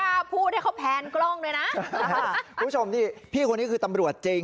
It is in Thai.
ถ้าพูดให้เขาแพนกล้องด้วยนะคุณผู้ชมนี่พี่คนนี้คือตำรวจจริง